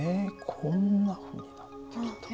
こんなふうになってきた。